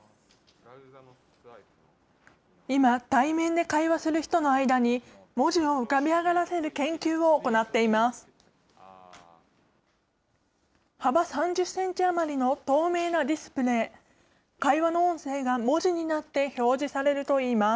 今、対面で会話する人の間に文字を浮かび上がらせる研究を行っています。